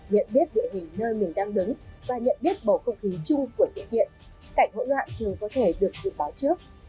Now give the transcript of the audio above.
nhận biết địa hình nơi mình đang đứng và nhận biết bầu không khí chung của sự kiện cảnh hỗn loạn thường có thể được dự báo trước